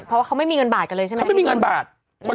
เพราะว่าเขาไม่มีเงินบาทกันเลยใช่ไหมเขาไม่มีเงินบาท